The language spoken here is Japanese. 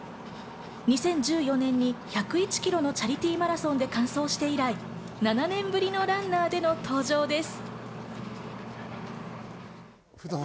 ２０１４年に１０１ｋｍのチャリティーマラソンで完走して以来、７年ぶりのランナーでの登場です。